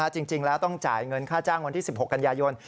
จริงแล้วต้องจ่ายเงินค่าจ้างวันที่๑๖กันยายน